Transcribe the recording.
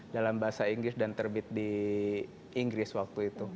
dalam bahasa inggris dan terbit di inggris waktu itu